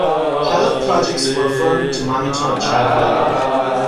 Pilot projects were formed to monitor child labor.